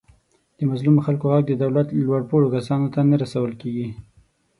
د مظلومو خلکو غږ د دولت لوپوړو کسانو ته نه ورسول کېږي.